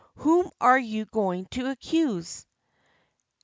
Whom are you going to accuse?